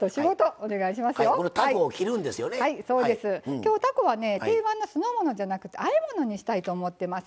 きょうたこはね定番の酢の物じゃなくてあえ物にしたいと思ってます。